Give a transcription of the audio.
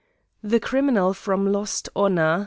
THE CRIMINAL FROM LOST HONOUR.